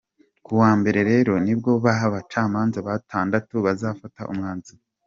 Kuwa mbere rero nibwo ba bacamanza batandatu bazafata umwanzuro.